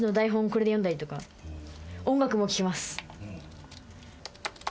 これで読んだりとか音楽も聴けます